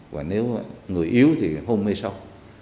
và nếu người yếu thì hôm mê sau